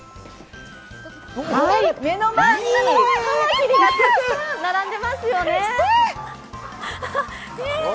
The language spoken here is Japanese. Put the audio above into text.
目の前にかまきりが並んでますよね。